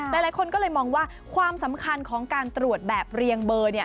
หลายคนก็เลยมองว่าความสำคัญของการตรวจแบบเรียงเบอร์